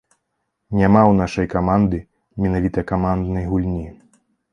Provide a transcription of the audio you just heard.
Няма ў нашай каманды менавіта каманднай гульні.